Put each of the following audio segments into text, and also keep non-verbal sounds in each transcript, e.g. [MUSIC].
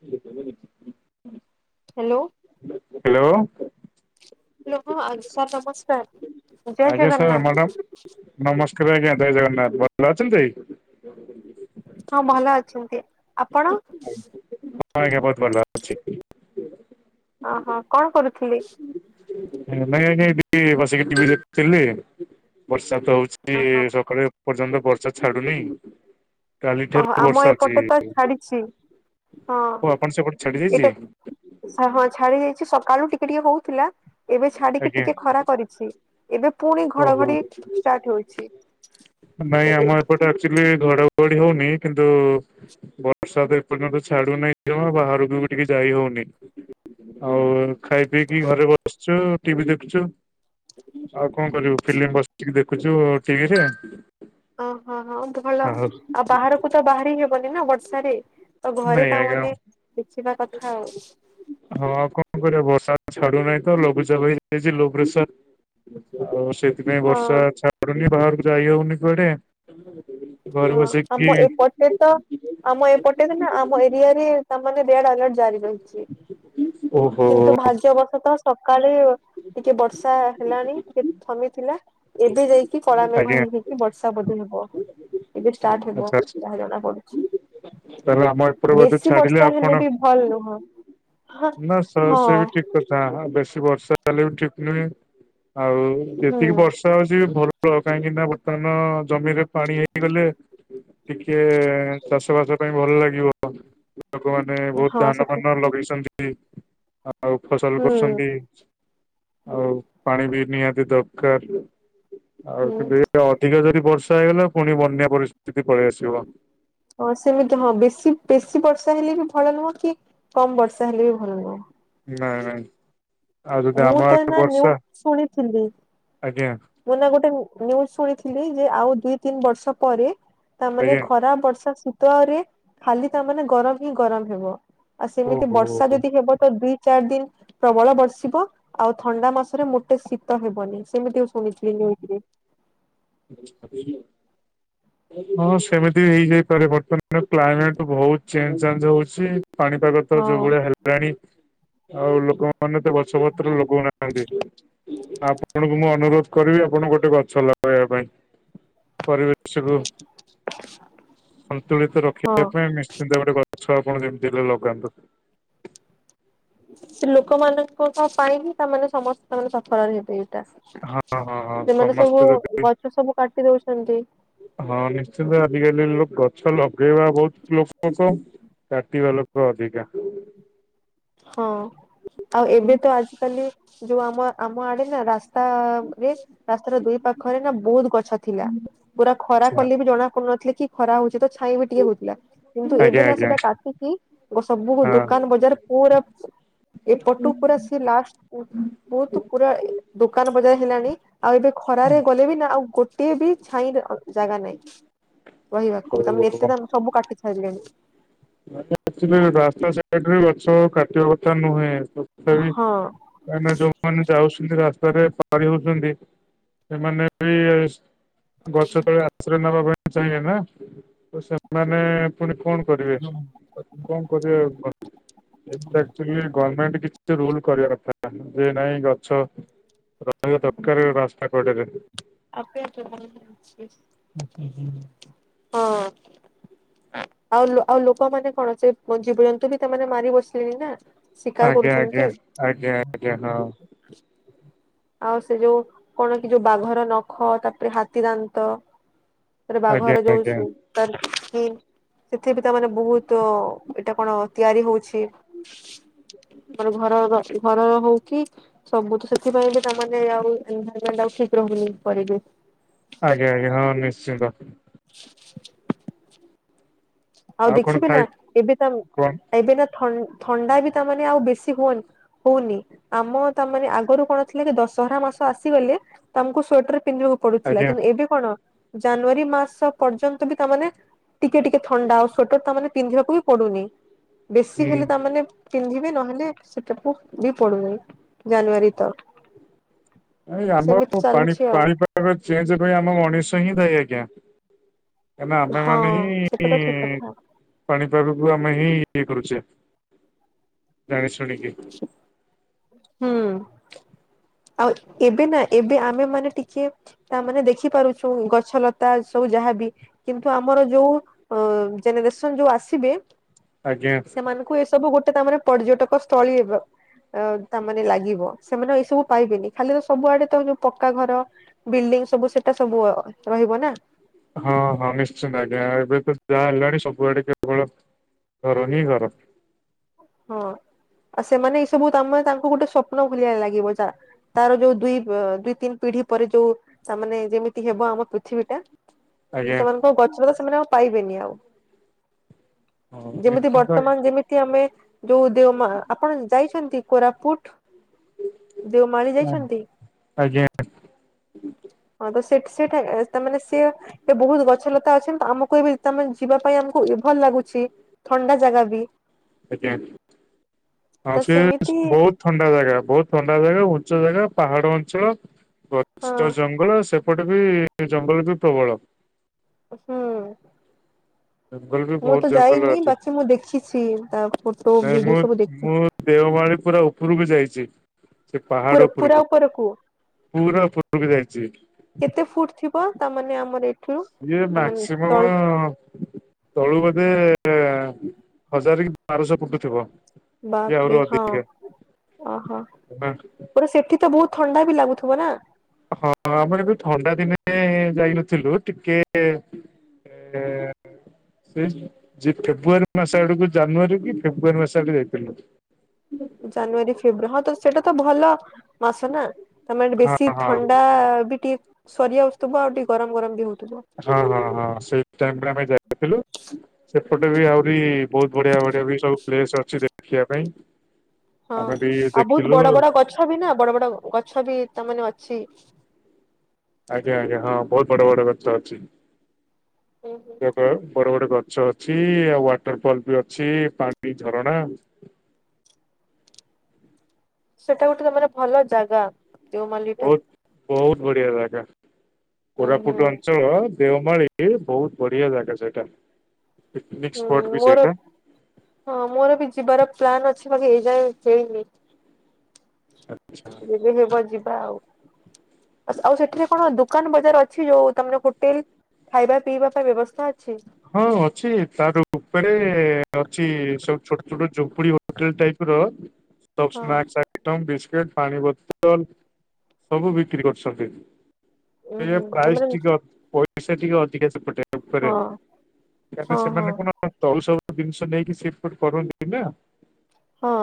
ଠିକ୍ ଅ ବଛି ହ ହ୍ୟାଲୋ ହ୍ୟାଲୋ ହ୍ୟାଲୋ ହ ଆ ସାର୍ ନମସ୍କାର ଜୟ ଆଜ୍ଞା ସାର୍ ଜଗନ୍ନାଥ ମ୍ୟାଡ଼ାମ ନମସ୍କାର ଆଜ୍ଞା ଜୟ ଜଗନ୍ନାଥ ଭଲ ଅଛନ୍ତି ହଁ ଭଲ ଅଛନ୍ତି ଆପଣ? ହଁ ଆଜ୍ଞା ବହୁତ ଭଲ ଅଛି। ଓହୋ କଣ କରୁଥିଲି? ନାଇଁ ଆଜ୍ଞା ଏଇ ଟିକେ ବସିକି ଟିଭି ଦେଖୁଥିଲି ବର୍ଷା ତ ହଉ ଛି ଓହୋ ସକାଳେ ଏ ପର୍ଯ୍ୟନ୍ତ ବର୍ଷା ଛାଡୁନି କାଲି ଠାରୁ ଓହୋ ଆମ ବର୍ଷା ଅଛି। ଏପଟେ ତ ଛାଡିଛି ହଁ ଓ ଆପଣ ସେପଟେ ଛାଡି ଯାଇଛି ଏଇଟା ଶା ହଁ ଛାଡି ଯାଇଛି ସକାଳୁ ଟିକେ ଟିକେ ହଉଥିଲା ଏବେ ଛାଡିକି ଆଜ୍ଞା ଟିକେ ଖରା କରିଛି। ଏବେ ପୁଣି ଓହୋ ଘଡଘଡି ଷ୍ଟାର୍ଟ ହଉଛି ନାଇଁ ଆମ ଏ ଏପଟେ ଆକଚୁଆଲି ଘଡଘଡି ହଉନି କିନ୍ତୁ ବର୍ଷା ତ ଏପର୍ଯ୍ୟନ୍ତ ଛାଡୁନାହିଁ ଜମା ବାହାରକୁ ବି ଟିକେ ଯାଇ ହଉନି ଆଉ ଖାଇ ପିଇକି ଘରେ ବସିଛୁ ଟିଭି ଦେଖୁଛୁ ଆଉ କଣ କରିବୁ ଫିଲ୍ମ ବସିକି ଦେଖୁଛୁ ଟିଭିରେ ଓହୋ ହଁ ଉତୁ ଭଲ ଆଉ ବାହାରକୁ ତ ବାହାରି ହବନି ନା ବର୍ଷାରେ ତ ଘରେ ନାଇଁ ତା ଆଜ୍ଞା ମାନେ ଦେଖିବା କଥା ଆଉ ହଁ କଣ କରିବା ବର୍ଷା ଛାଡୁନାହିଁ ତ ଲଘୁଚାପ ହେଇଯାଇଛି ଲୋ ପ୍ରେସର ଆଉ ସେଥିପାଇଁ ହଁ ବର୍ଷା ଛାଡୁନି ବାହାରକୁ ଯାଇହଉନି କୁଆଡେ ଘରେ ହଁ ବସିକି ଆମ ଏପଟେ ତ ଆମ ଏପଟେରେ ନା ଆମ ଏରିଆ ରେ ତାମାନେ ରେଡ ଆଲର୍ଟ ଜାରି ରହି ଚି। ଓହୋ କିନ୍ତୁ ଭାଗ୍ୟ ଅବସତଃ ସକାଳେ ଟିକେ ବର୍ଷା ହେଲାଣି ଟିକେ ଥମିଥିଲା ଏବେ ଯାଇକି କି କଳ ମେଘ ଆଜ୍ଞା ହେଇ ହେଇକି ବର୍ଷା ବୋଧେ ହେବ ଏବେ ଷ୍ଟାର୍ଟ ହେବ ଯାହା ଜଣା ପଡୁଛି। ତାଲେ ଆମ ଏପଟ ବୋଧେ ବେଶୀ ବର୍ଷା ଛାଡିଲେ ହେଲେ ଆପଣ ବି ଭଲ ନୁହଁ। ହଁ ନା ସ ସେ ବି ଠିକ୍ କରିଚି। ବେଶୀ ବର୍ଷା ହେଲେ ବି ଠିକ ନୁହେଁ ଆଉ ହୁଁ ଯେତିକି ବର୍ଷା ହଉଚି ଭଲ [UNINTELLIGIBLE] କାହିଁକି ନା ବର୍ତ୍ତମାନ ଜମିରେ ପାଣି ହେଇଗଲେ ଟିକେ ଚାଷବାସ ପାଇଁ ଭଲ ଲାଗିବ। ଲୋକମାନେ ବହୁତ ହଁ ଧାନ ସେଟା ଫାନ ହୁଁ ଲଗେଇଚନ୍ତି ଆଉ ଫସଲ କରୁଚନ୍ତି ଆଉ ପାଣି ବି ନିହାତି ଦରକାର। ହୁଁ ଆଉକିନ୍ତୁ ଏଇଆ ଅଧିକା ଯଦି ବର୍ଷା ହେଇଗଲା ପୁଣି ବନ୍ୟା ପରିସ୍ଥିତି ପଳେଇ ଆସିବ। ହଁ ସେମିତି ହଁ ବେଶୀ ବେଶୀ ବର୍ଷା ହେଲେ ବି ଭଲ ନୁହଁ କି କମ ବର୍ଷା ହେଲେ ବି ଭଲ ନୁହଁ। ନାଇଁ ନାଇଁ ଆଉ ଯଦି ମୁଁ ଆମେ ତ ନା ବର୍ଷା ନ୍ୟୁଜ ଶୁଣିଥିଲି ଆଜ୍ଞା। ମୁଁ ନା ଗୋଟେ ନ୍ୟୁଜ ଶୁଣିଥିଲି ଯେ ଆଉ ଦୁଇ ତିନି ବର୍ଷ ପରେ ତାମାନେ ଆଜ୍ଞା ଖରା ବର୍ଷା ଶୀତରେ ଖାଲି ତାମାନୋନେ ଗରମ ହିଁ ଗରମ ହେବ। ଆଉ ସେମିତି ଓହୋ ବର୍ଷା ଯଦି ହେବ ତ ଦିଇ ଚାରି ଦିନ ପ୍ରବଳ ବର୍ଷିବ ଆଉ ଥଣ୍ଡା ମାସରେ ମୋଟେ ଶୀତ ହେବନି ସେମିତି ଶୁଣିଥିଲି ନ୍ୟୁଜ ରେ। [UNINTELLIGIBLE] ହଁ ସେମିତି ବି ହେଇଯାଇପାରେ ବର୍ତ୍ତମାନ କ୍ଲାଇମେଟ ବହୁତ ଚେଞ୍ଜ ଚାଞ୍ଜ ହଉଚି। ପାଣିପାଗ ତ ଯୋଉ ହଁ। ଭଳିଆ ହେଲାଣି ଆଉ ଲୋକ ମାନେ ତ ବଛବତ୍ର ଲଗୋଉ ନାହାନ୍ତି ଆ ଆପଣଙ୍କୁ ମୁଁ ଅନୁରୋଧ କରିବି ଆପଣ ଗୋଟେ ଗଛ ଲଗେଇବା ପାଇଁ। ପରିବେଶକୁ ଆଛା ସନ୍ତୁଳିତ ରଖିବା ପାଇଁ ନିଶ୍ଚିନ୍ତ ଗୋଟେ ଗଛ ଆପଣ ଯେମିତି ହେଲେ ଲଗାନ୍ତୁ। ସେ ଲୋକମାନଙ୍କ ପାଇଁ ହିଁ ତାମାନେ ସମସ୍ତୋନେ ସଫଳରେ ହେବେ ଏଇଟା। ହଁ ହଁ ହଁ ସେମାନେ ସମସ୍ତେ ସବୁ ଯଦି ଗଛ ସବୁ କାଟି ଦଉଚନ୍ତି ହଁ ନିଶ୍ଚିନ୍ତ ଆଜିକାଲି ଲ ଗଛ ଲଗେଇବା ବହୁତ ଲୋକଙ୍କ କାଟିବା ଲୋକ ଅଧିକା। ହଁ ଆଉ ଏବେ ତ ଆଜିକାଲି ଯୋଉ ଆମ ଆମ ଆଡେ ନା ରାସ୍ତା ରେ ରାସ୍ତାର ଦୁଇ ପାଖରେ ନା ବହୁତ ଗଛ ଥିଲା। ପୁରା ଖରା ଆଚ୍ଛା କଲେ ବି ଜଣା ପଡୁନଥିଲେ କି ଖରା ହଉଚି ତ ଛାଇଁ ବି ଟିକେ ହଉଥିଲା। କିନ୍ତୁ ଆଜ୍ଞା ଏବେ ନା ଆଜ୍ଞା ସେଟା କାଟିକି ସବୁ ହଁ। ଦୋକାନ ବଜାର ର ଏ ପଟୁ ପୁର ସେ ଲାଷ୍ଟ ବହୁତୁ ପୁରା ଦୋକାନ ବଜାର ହେଲାଣି ଆଉ ଏବେ ଖରାରେ ଗଲେ ବି ନା ଆଉ ଗୋଟିଏ ବି ଛାଇଁ ର ଜାଗା ନାଇଁ। ରହିବାକୁ ତା ମାନେ ଏତେ ତମେ ସବୁ କାଟି ସାଇଲେଣି। ଆକଚୁଆଲି ରାସ୍ତା ସାଇଟରେ ଗଛ କାଟିବା କଥା ନୁହେଁ, ତଥାପି ହଁ। କାଇଁକିନା ଯୋଉମାନେ ଯାଉଚନ୍ତି ରାସ୍ତାରେ ପାରି ହଉଚନ୍ତି ସେମାନେ ବି ଗଛ ତଳେ ଆଶ୍ରୟ ନେବା ପାଇଁ ଚାହିଁବେ ନା। ତ ସେମାନେ ପୁଣି କଣ କରିବେ, କଣ କରିବେ ଆଉ କ ଏଇଟା ଆକ୍ଚୁଲି ଗର୍ମେଣ୍ଟ କିଛି ରୁଲ କରିବା କଥା ଯେ ନାଇଁ ଗଛ ରହିଆ ଦକାର ରାସ୍ତା କଡରେ। ଆପେ ଆପେ [UNINTELLIGIBLE] ହଁ। ଆଉ ଆଉ ଲୋକ ମାନେ କଣ ସେ ଜୀବଜନ୍ତୁ ବି ତା ମାନେ ମାରି ବସିଲେଣିି ନା। ଶିକାର ଆଜ୍ଞା ଆଜ୍ଞା କରୁଚନ୍ତି ଆଜ୍ଞା ଆଜ୍ଞା ହଁ [UNINTELLIGIBLE] ଆଉ ସେ ଯୋଉ କଣ କି ଯୋଉ ବାଘର ନ ଖ ତାପରେ ହାତୀ ଦାନ୍ତ ତାରେ ଆଜ୍ଞା ବାଘର ଯୋଉ ଆଜ୍ଞା ସୁ ତାର ସି ସେଥିରେ ବି ତା ମାନେ ବହୁତ୍ ଏଇଟା କଣ ତିଆରି ହଉଛି। ମାନେ ଘରର [UNINTELLIGIBLE] ହଉ କି ସବୁ ତ ସେଥିପାଇଁ ବି ତା ମାନେ ଆଉ ଏନଭାରମେଣ୍ଟ୍ ଆଉ ଠିକ୍ ରହୁନି [UNINTELLIGIBLE] ଆଜ୍ଞା ଆଜ୍ଞା ହଁ ନିଶ୍ଚିନ୍ତ। [INAUDIBLE] ଆଉ କଣ ଦେଖିବେ ନା ଖାଇ ଏବେ ତା କଣ ଏବେ ନା ଥ ଥଣ୍ଡା ବି ତାମାନେ ଆଉ ବେଶୀ ହୁଅନି। ହଉନି ଆମ ତା ମାନେ ଆଗରୁ କଣ ଥିଲା କି ଦଶହରା ମାସ ଆସିଗଲେ ତମକୁ ସ୍ଵେଟର୍ ପିନ୍ଧିବାକୁ ପଡୁଥିଲା ଆଜ୍ଞା କିନ୍ତୁ ଏବେ କଣ ଜାନୁଆରୀ ମାସ ପର୍ଯ୍ୟନ୍ତ ବି ତାମାନେ ଟିକେ ଟିକେ ଥଣ୍ଡା ଆଉ ସ୍ଵେଟର୍ ତା ମାନେ ପିନ୍ଧିବାକୁ ବି ପଡୁନି ବେଶୀ ହୁଁ। ହେଲେ ତା ମାନେ ପିନ୍ଧିବେ ନହେଲେ ସେଟାକୁ ବି ପଡୁନାହିଁ ଜାନୁଆରୀ ତ ଏ ସେମିତି ଆମର ପାଣି ଚାଲୁଛି ଆଉ ପାଣିପାଗ ଚେଞ୍ଜ ପାଇଁ ଆମ ମଣିଷ ହିଁ ଦାୟୀ ଆଜ୍ଞା। କାଇଁ ନା ଆମେ ହଁ ମାନେ ହିଁ ସେଟା ଇ ତ ଠିକ କଥା ପାଣିପାଗକୁ ଆମେ ହିଁ ଇଏ କରୁଚେ ଜାଣିଶୁଣିକି। ହୁଁ। ଆଉ ଏବେ ନା ଏବେ ଆମେ ମାନେ ଟିକେ ତା ମାନେ ଦେଖି ପାରୁଚୁ ଗଛଲତା ସବୁ ଯାହା ବି କିନ୍ତୁ ଆମର ଯୋଉ ଅ ଜେନେରେସନ୍ ଯୋଉ ଆସିବେ ଆଜ୍ଞା। ସେମାନଙ୍କୁ ଏସବୁ ଗୋଟେ ତା ମାନେ ପର୍ଯ୍ୟଟକସ୍ଥଳୀ ତାମାନେ ଲାଗିବ ସେମାନେ ଏସବୁ ପାଇବେନି ଖାଲି ତ ସବୁଆଡ଼େ ତ ଯୋଉ ପକ୍କା ଘର ବିଲଡିଙ୍ଗ୍ ସବୁ ସେଟା ସବୁ ରହିବ ନା। ହଁ ହଁ ନିଶ୍ଚିନ୍ତ ଆଜ୍ଞା ଏବେ ତ ଯା ହେଲାଣି ସବୁଆଡ଼େ କେବଳ ଘର ହିଁ ଘର। ହଁ ଆଉ ସେମାନେ ଏଇ ସବୁ ତମେ ତାଙ୍କୁ ଗୋଟେ ସ୍ୱପ୍ନ ଭଳିଆ ଲାଗିବ ଯା ତାର ଯୋଉ ଦୁଇ ଅ ଦୁଇ ତିନି ପିଢ଼ି ପରେ ଯୋଉ ତା ମାନେ ଯେମିତି ହେବ ଆମ ପୃଥିବୀ ଟା ଆଜ୍ଞା ସେମାନଙ୍କ ଗଛଲତା ସେମାନେ ଆଉ ପାଇବେନି ଆଉ। ହଁ ଯେମିତି ନିଶ୍ଚିନ୍ତ ଆଜ୍ଞା ବର୍ତ୍ତମାନ ଯେମି ଆମେ ଯୋଉ ଦେଓମା ଆପଣ ଯାଇଛନ୍ତି କୋରାପୁଟ? ଦେଓମାଳି ଯାଇଛନ୍ତି? ଆଜ୍ଞା। [INAUDIBLE] ହଁ ତ ସେଠି ସେଇଠା ତା ମାନେ ସିଏ ଏ ବହୁତ୍ ଗଛଲତା ଅଛନ୍ତି‌ ଆମକୁ ଏବେ ତମେ ଯିବା ପାଇଁ ଆମକୁ ଇଭଲ୍ ଲାଗୁଛି। ଥଣ୍ଡା ଜାଗା ବି। ଆଜ୍ଞା ହଁ ତ ସେ ସେମିତି ବହୁତ୍ ଥଣ୍ଡା ଜାଗା ବହୁତ ଥଣ୍ଡା ଜାଗା, ଉଞ୍ଚ ଜାଗା, ପାହାଡ଼ ଅଞ୍ଚଳ ହଁ ଗଛ, ଜଙ୍ଗଲ ସେ ଏପଟେ ବି ଜଙ୍ଗଳ ବି ପ୍ରବଳ। ହୁଁ। ଜଙ୍ଗଲ ବି ମୁଁ ବହୁତ ତ ଜଙ୍ଗଲ ଯାଇନି ଅଛି ବାକି ମୁଁ ଦେଖିଛି ତା ଫଟୋ ନାଇଁ ଭିଡ଼ିଓ ମୁଁ ସବୁ ଦେଖି ମୁଁ ଦେଓମାଳି ପୁରା ଉପରକୁ ଯାଇଛି ସେ ପୁରା ପାହାଡ଼ ପୁରା ଉପରକୁ। ଉପରକୁ ପୂରା ଉପରକୁ ଯାଇଛି। କେତେ ଫୁଟ୍ ଥିବ ତାମାନେ ଆମର ଏ ଇଏ ମାକ୍ସିମମ୍ ତଳୁ ବୋଧେ ହଜାର କି ବାରଶହ ଫୁଟ୍ ଥିବ। କି ବାପରେ ଆହୁରି ହଁ [UNINTELLIGIBLE] ନା ପୂରା ସେଠି ତ ବହୁତ୍ ଥଣ୍ଡା ବି ଲାଗୁଥିବ ନା। ହଁ ଆମର ବି ଥଣ୍ଡା ଦିନେ ଯାଇନଥିଲୁ ଟିକେ [UNINTELLIGIBLE] ସେ ଯେ ଫେବୃୟାରୀ ମାସ ଆଡ଼କୁ ଜାନୁଆରୀ କି ଫେବୃୟାରୀ ମାସ ଆଡ଼କୁ ଯାଇଥିଲୁ। ଜାନୁଆରୀ ଫେବୃ ହଁ ତ ସେଟା ତ ଭଲ ମାସ ନା। ତାମାନେ ହଁ ବେଶୀ ହଁ ଥଣ୍ଡା ବି ଟିକେ ସରିି ଆସୁଥିବ। ଆଉ ଟିକେ ଗରମ ଗରମ ବି ହଉଥିବ। ହଁ ହଁ ହଁ ସେଇ ଟାଇମ୍ ରେ ଆମେ ଯାଇଥିଲୁ। ସେପଟେ ବି ଆହୁରି ବହୁତ ବଢିଆ ବଢିଆ ବି ସବୁ ପ୍ଲେସ ଅଛି ଦେଖିବା ପାଇଁ। ହଁ ଆମେ ବି ଆଉ ବହୁତ ଦେଖିଲୁ ବଡ ବଡ ଗଛ ବି ନା ବଡ ବଡ ଗଛ ବି ତାମାନେ ଅଛି। ଆଜ୍ଞା ଆଜ୍ଞା ହଁ ବହୁତ ବଡ ବଡ ଗଛ ଅଛି। ହୁଁ ହୁଁ [UNINTELLIGIBLE] ବଡ ବଡ ଗଛ ଅଛି ଆଉ ୱାଟର ଫଲ ବି ଅଛି ପାଣି ଝରଣା। ସେଇଟା ଗୋଟେ ତମର ଭଲ ଜାଗା ଦେଉମାଲି ଟା। ବହୁତ ବହୁତ ବଢିଆ ଜାଗା ଉଁ ହୁଁ କୋରାପୁଟ ଅଞ୍ଚଳ। ଦେଓମାଳି ବହୁତ ବଢିଆ ଜାଗା ସେଇଟା ପିକନିକ ହୁଁ ସ୍ପଟ ବି ମୋର ସେଇଟା। ହଁ ମୋର ବି ଯିବାର ପ୍ଲାନ୍ ଅଛି ବାକି ଏଇଯାଏଁ ହେଇନି। ଆଚ୍ଛା। ଯେବେ ହେବ ଯିବା ଆଉ, ଆଉ ସେଠୀରେ କଣ ଦୋକାନ ବଜାର ଅଛି ଯୋଉ ତମର ହୋଟେଲ ଖାଇବା ପିଇବା ପାଇଁ ବ୍ୟବସ୍ଥା ଅଛି। ହଁ ଅଛି, ତାର ଉପରେ ଅଛି ସବୁ ଛୋଟ ଛୋଟ ଝୁମ୍ପୁଡି ହୋଟେଲ ଟାଇପ୍ ର। [INAUDIBLE] ସବୁ ହଁ ସ୍ନାକ୍ସ ଆଇଟମ ବିସ୍କୁଟ ପାଣି ବୋତଲ ସବୁ ବିକ୍ରି କରୁଛନ୍ତି। ଉଁ ସିଏ ହୁଁ ପ୍ରାଇସ୍ ତମର ଟିକ ଅ ପଇସା ଟିକେ ଅଧିକା ସେପଟେ ଉପରେ। ହଁ ବାକି ହଁ ହଁ ସେମାନେ କଣ ତଳୁ ସବୁ ଜିନିଷ ନେଇକି ସେ ଫିଟ୍ କରନ୍ତି ନା। ହଁ।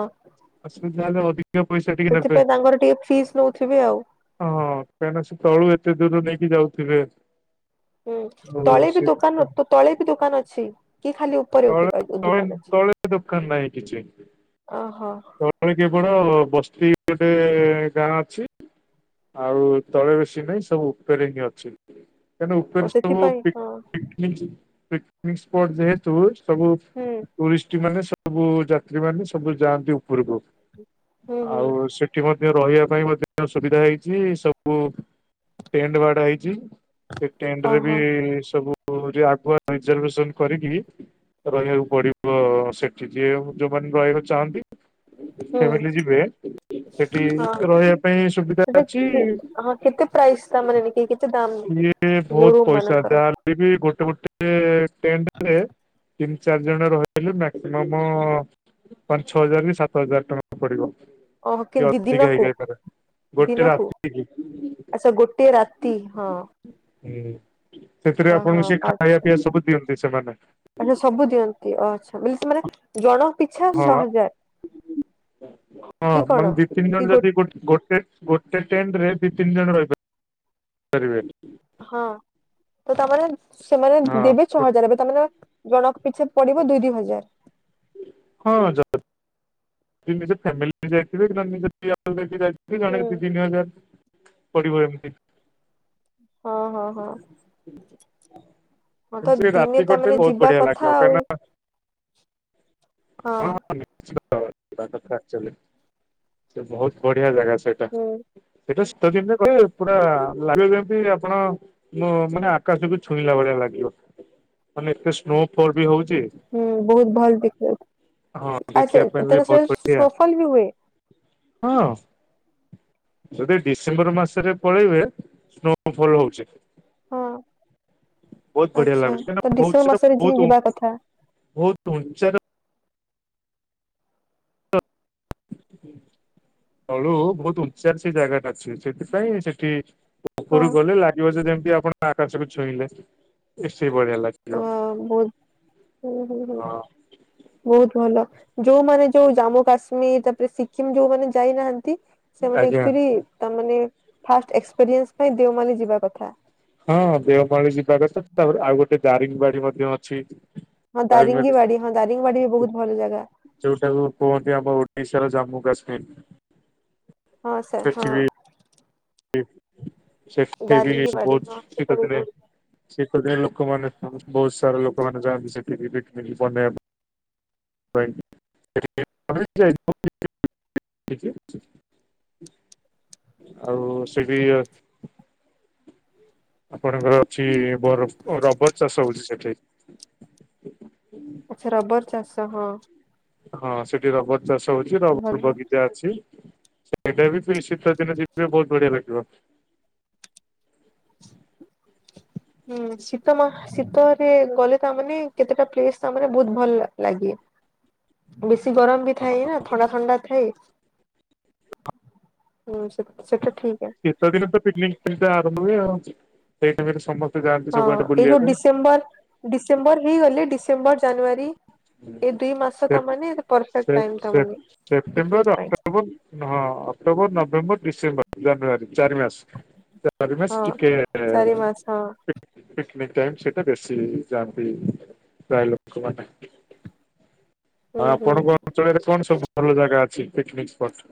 ଅସୁବିଧା ହେଲେ [UNINTELLIGIBLE] ଯ ପଇସାଟି ସେଥିପାଇଁ ତାଙ୍କର ଟିକେ ଫିସ୍ ନଉଥିବେ ଆଉ। ହଁ କାହିଁନା ସେ ତଳୁ ଏତେ ଦୂର ନେଇକି ଯାଉଥିବେ। ହୁଁ ଆଉ ତଳେ ବି ସେ ଦୋକାନ ଅ ତଳେ ବି ଦୋକାନ ଅଛି କି ଖାଲି ଉ ତଳେ ତଳେ ତଳେ ଦୋକାନ ନାହିଁ କିଛି। ଅହୋ। ତଳେ କେବଳ ବସ୍ତି ଗୋଟେ ଗାଁ ଅଛି। ଆଉ ତଳେ ବେଶି ନାହିଁ ସବୁ ଉପରେ ହିଁ ଅଛି। କାରଣ ଉପରେ ଓ ସବୁ ସେଥିପାଇଁ ପିକ୍ ହଁ ପିକନିକ୍ ପିକନିକ୍ ସ୍ପଟ ଯେହେ ତୁ ସବୁ ହୁଁ ଟୁରିଷ୍ଟ ମାନେ ସବୁ ଯାତ୍ରୀ ମାନେ ସବୁ ଯାଆନ୍ତି ଉ ପୁରୁକୁ ହୁଁ ହୁଁ ଆଉ ସେଠ ଠି ମଧ୍ୟ ରହିବା ପାଇଁ ମଧ୍ୟ ସୁବିଧା ହେଇଛି ସବୁ ଟେଣ୍ଟ ବାଡ଼ା ହେଇଛି। ସେ ଟେଣ୍ଡରେ ବି ଓହୋ ସବୁ ଯେ ଆଗୁଆ ରିଜରଭସନ କରିକି। ରହିବାକୁ ପଡିବ ସେଠି ଯିଏ ଯୋଉମାନେ ରହିବାକୁ ଚାହାନ୍ତି। ହୁଁ ଫ୍ୟାମିଲି ଯିବେ। ସେଠି ହଁ ରହିବା ପାଇଁ ସୁବିଧା ସେଟା ଅଛି। ହଁ କେତେ ପ୍ରାଇସ୍ ତା ମାନେ ନି ଇଏ ବହୁତ ପଇସା ଦେଲେ ବି ଗୋଟେ ଗୋଟେ ଟେଣ୍ଡରେ। ତିନି ଚାରି ଜଣ ରହିଲେ ମ୍ୟାକ୍ସିମମ୍ ପାଞ୍ଚ ଛଅ ହଜାର କି ସାତ ହଜାର ଟଙ୍କା ପଡିବ। ଓହୋ କି ଦି ଅଧିକା ଦିନକୁ ହେଇଯାଇ ପାରେ ଗୋଟେ ଦିନକୁ ରାତି କି। ଆଚ୍ଛା ଗୋଟିଏ ରାତି ହଁ। ହୁଁ ସେଥିରେ ଓହୋ ଆପଣଙ୍କୁ ସେ ପାଞ୍ଚ ଖାଇବା ପିଇବା ସବୁ ଦିଅନ୍ତି ସେମାନେ। ଆଚ୍ଛା ସବୁ ଦିଅନ୍ତି ଓ ଆଚ୍ଛା ବି ସେ ମାନେ ଜଣଙ୍କ ପିଛା ହଁ ଛଅ ହଜାର। ହଁ କି କଣ? ମାନେ ଦି ତିନି କି ଜଣ ଗୋ ଯଦି ଗୋଟ ଗୋଟେ। ଗୋଟେ ଟ୍ରେଣ୍ଡ ରେ ଦି ତିନି ଜଣ ରହିବ। ପାରିବେ। ହଁ ତ ତାମାନେ ସେମାନେ ଦେବେ ଛଅ ହଜାରେ ତମର ଜଣଙ୍କ ପିଛା ପଡିବ ଦୁଇ ଦି ହଜାର୍। ହଁ ଯ ଦି ନିଜ ଫ୍ୟାମିଲି ଯାଇଥିବେ କି ନିଜ [UNINTELLIGIBLE] ଯାଇଥିବେ ଜଣେ ହୁଁ। ଦି ତିନି ହଜାର୍ ପଡିବ ଏମ୍ତି। ହଁ-ହଁ-ହଁ। [UNINTELLIGIBLE] ଦିନେ ରାତି [UNINTELLIGIBLE] ତାମାନେ ବହୁତ୍ ଯିବା ବଢିଆ କଥା ଲାଗିବ, ଆଉ କଇଁନା [UNINTELLIGIBLE] ସେ ବହୁତ୍ ବଢିଆ ଜାଗା ସେଇଟା। ହଁ। ସେଇଟା ଶୀତ ଦିନେ ଗଲେ ପୁରା ଲାଗିବ ଜେମ୍ତି ଆପଣ ମୁଁ ମାନେ ଆକାଶକୁ ଛୁଇଁଲା ଭଳିଆ ଲାଗିବ, ମାନେ ଏତେ ସ୍ନୋ ଫଲ୍ ବି ହଉଚି। ହୁଁ ବହୁତ୍ ଭଲ୍ ଦେଖା [UNINTELLIGIBLE] ହଁ ଆ ସେ ଦେଖିବା ପାଇଁ ବି ବହୁତ ବଢିଆ [UNINTELLIGIBLE] ଫଲ୍ ବି ହୁଏ? ହଁ। ଯଦି ଡିସେମ୍ବର ମାସେରେ ପଳେଇବେ ସ୍ନୋ ଫଲ୍ ହଉଚି। ହଁ ବହୁତ୍ ବଢିଆ ଆଚ୍ଛା ଲାଗୁଚି, ତ [UNINTELLIGIBLE] ବହୁତ୍ ଡିସେମ୍ବର ସେଟା ମାସରେ ଯି ବହୁତୁ। ଯିବା କଥା ବହୁତ୍ ଉଞ୍ଚାର ତଳୁ ବହୁତ୍ ଉଞ୍ଚାରେ ସେ ଜାଗାଟା ଅଛି, ସେଇଥିପାଇଁ ସେଠି ହଁ ଉପରୁ ଗଲେ ଲାଗିବ ଯେ ଯେମ୍ତି ଆପଣ ଆକାଶକୁ ଛୁଇଁଲେ, ଏ ସେଇଭଳିଆ ଲାଗେ। ହଁ ବହୁତ୍ ହୁଁ-ହୁଁ-ହୁଁ ହଁ ବହୁତ୍ ଭଲ। ଯୋଉମାନେ ଯୋଉ ଜାମ୍ମୁ କାଶ୍ମୀର ତାପରେ ସିକିମ୍ ଯୋଉମାନେ ଯାଇନାହାନ୍ତି ସେମାନେ ଆଜ୍ଞା ଆକ୍ଚୁଆଲି ତା ମାନେ ଫାଷ୍ଟ ଏସ୍‌ପିରେନ୍ସ ପାଇଁ ଦେଓମାଲି ଯିବା କଥା। ହଁ ଦେଓମାଳି ଯିବା କଥା, ତାପରେ ଆଉ ଗୋଟେ ଦାରିଙ୍ଗବାଡି ମଧ୍ୟ ଅଛି। ହଁ ଦାରିଙ୍ଗବାଡି ଦାରିଙ୍ଗୀବାଡି, ହଁ ଦାରିଙ୍ଗବାଡି ବି ବହୁତ୍ ଭଲ ଜାଗା। ଯୋଉଟାକୁ କୁହନ୍ତି ଆମ ଓଡିଶାର ଜାମ୍ମୁ କାଶ୍ମୀର୍। ହଁ ସାର୍ ହଁ। ସେଠି ବି ଦାରିଙ୍ଗୀବାଡି ବହୁତ୍ ହଁ ସେଟା ବି ଶୀତଦିନେ ବହୁତ ଶୀତଦିନେ ଲୋକମାନେ ବହୁତ୍ ସାରା ଲୋକମାନେ ଯାଆନ୍ତି ସେଠିକିି ପିକନିକ୍ ବନେଇବା ପାଇଁ [INAUDIBLE] ଆଉ [UNINTELLIGIBLE] ଆପଣଙ୍କର ଅଛି ବର ରବର୍ ଚାଷ ହଉଛି ସେଠି। ଆଚ୍ଛା, ରବର୍ ଚାଷ ହଁ। ହଁ ସେଠି ରବର୍ ଚାଷ ହଉଚି, ଭଲ ରବର୍ ହୁଁ ବଗି ଅଛି, ସେଇଟା ବି ତ ଶୀତ ଦିନେ ଯିବେ ବହୁତ୍ ବଢିଆ ଲାଗିବ। ହୁଁ, ଶୀତ ମା ଶୀତରେ ଗଲେ ତା ମାନେ କେତେଟା ପ୍ଲେସ୍ ତା ମାନେ ବହୁତ୍ ଭଲ ଲାଗେ। ବେଶୀ ଗରମ୍ ବି ଥାଏ ନା। ଥଣ୍ଡା-ଥଣ୍ଡା ଥାଏ, ହୁଁ ସେଟା ଠିକେ। ଶୀତ ଦିନେ ତ ପିକନିକ୍ ଆରମ୍ଭ ହୁଏ ଆଉ, ସେଇ ଟାଇମ୍ ରେ ସମ ହଁ ଏଇଯୋଉ ଡିସେମ୍ବର୍-ଡିସେମ୍ବର୍ ହେଇଗଲେ ଡିସେମ୍ବର୍, ଜାନୁଆରୀ ଏ ଦୁଇ ମାସ ସେ ତା ମାନେ ସେ ପରଫେକ୍ଟ ଟାଇମ୍ ସେ ତାମାନେ ସେପ୍ଟେମ୍ବର ପିକନିକ୍ ପାଇଁ। ଅକ୍ଟୋବର ହଁ ଅକ୍ଟୋବର୍, ନଭେମ୍ବର୍, ଡିସେମ୍ବର୍, ଜାନୁଆରୀ ଚାରି ମାସ୍ ଚାରିମାସ୍ ହଁ ଟିକେ ଚାରି ମାସ ହଁ ପିକନିକ୍ ଟାଇମ୍ ସେଇଟା ବେଶୀ ଯାଆନ୍ତି ପ୍ରାୟ ଲୋକମାନେ। ଆଉ ହୁଁ ହୁଁ। ଆପଣଙ୍କ ଅଞ୍ଚଳରେ କଣ ସବୁ ଭଲ ଜାଗା ଅଛି ପିକନିକ ସ୍ପଟ୍?